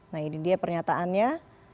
nah ini dia pernyataannya